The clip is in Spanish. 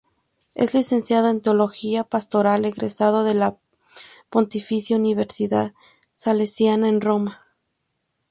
Es Licenciado en Teología Pastoral egresado de la Pontificia Universidad Salesiana en Roma.